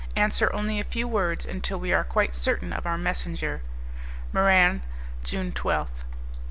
Answer only a few words until we are quite certain of our messenger. "Muran, June 12th."